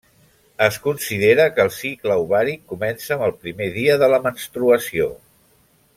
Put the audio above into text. Es considera que el cicle ovàric comença amb el primer dia de la menstruació.